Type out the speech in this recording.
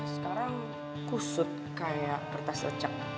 sekarang kusut kayak kertas lecak